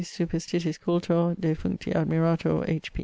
] superstitis cultor, defuncti admirator, H.